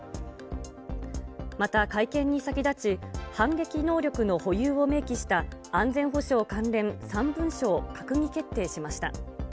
また会見に先立ち、反撃能力の保有を明記した安全保障関連３文書を閣議決定しました。